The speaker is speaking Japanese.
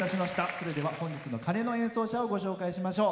それでは本日の鐘の演奏者をご紹介しましょう。